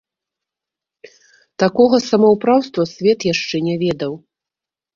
Такога самаўпраўства свет яшчэ не ведаў.